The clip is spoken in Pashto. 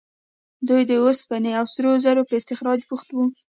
دوی د اوسپنې او سرو زرو په استخراج بوخت وو.